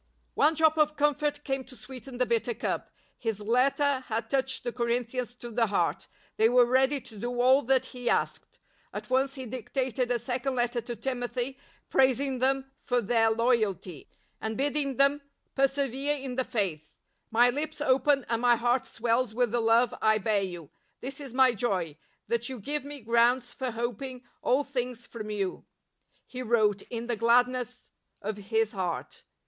One drop of comfort came to sweeten the bitter cup. His letter had touched the Corin thians to the heart; the}^ were ready to do aU that he asked. At once he dictated a second letter to Timothy praising them for their loyalty, and bidding them " persevere in the Faith." " My lips open and my heart swells with the love I bear you ... this is my joy, that you give me grounds for hoping all things from you," he wrote in the gladness of his heart.